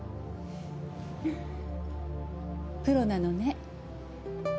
プロなのね。